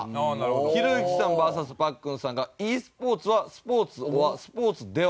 ひろゆきさんＶＳパックンさんが「ｅスポーツはスポーツｏｒスポーツではない」。